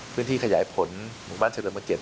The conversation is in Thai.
พื้นที่ขยายผลหมู่บ้านเฉพาะ๗